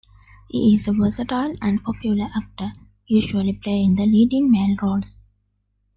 He is a versatile and popular actor, usually playing the leading male roles.